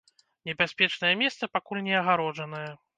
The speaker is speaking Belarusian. Небяспечнае месца пакуль не агароджанае.